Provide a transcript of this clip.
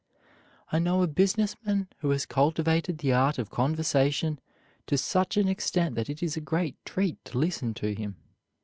I know a business man who has cultivated the art of conversation to such an extent that it is a great treat to listen to him.